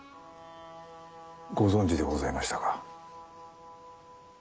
ご存じでございましたか？